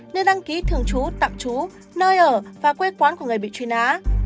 nơi đăng ký thường trú tạm trú nơi ở và quê quán của người bị trùy ná